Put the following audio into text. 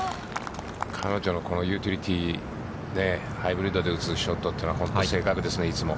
彼女のこのユーティリティーね、ハイブリッドで打つショットというのは、本当に正確ですね、いつも。